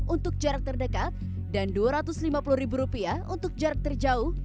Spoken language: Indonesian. untuk jarak terdekat dan rp dua ratus lima puluh ribu rupiah untuk jarak terjauh